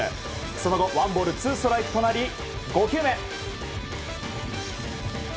その後ワンボールツーストライクとなり５球目。